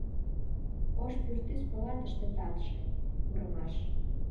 Ош пӱртӱс полатыште Татше — курымаш.